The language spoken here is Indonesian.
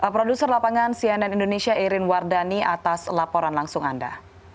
produser lapangan cnn indonesia irin wardani atas laporan langsung anda